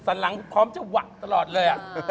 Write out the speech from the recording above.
สันหลังรู้มั้ยพร้อมจะหวักตลอดเลยน่ะ